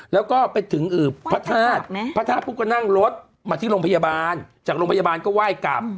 แล้วก็ไปถึงพระธาตุพระธาตุปุ๊บก็นั่งรถมาที่โรงพยาบาลจากโรงพยาบาลก็ไหว้กลับ